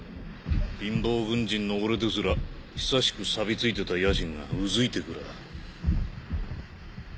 貧乏軍人の俺ですら久しくサビついてた野心がうずいてくらぁ。